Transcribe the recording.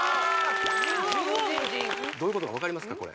どういうことか分かりますか？